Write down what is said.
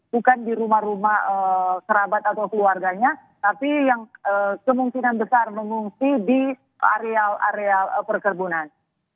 bukan di rumah rumah kerabat atau keluarganya tapi yang kemungkinan besar mengungsi di areal area perkebunan